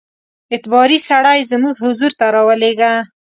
اعتباري سړی زموږ حضور ته را ولېږه.